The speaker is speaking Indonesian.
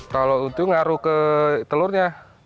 kalau ujung ngaruh ke telurnya